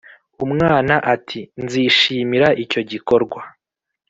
umwana ati"nzishimira icyogikorwa "